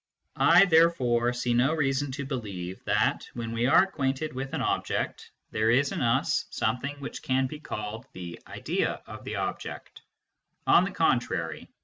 I therefore see no reason to believe that, when we are acquainted with an object, there is in us something which can be called the " idea " of the object, ^^he^^ntrajy,^!